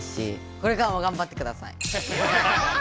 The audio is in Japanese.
これからもがんばってください！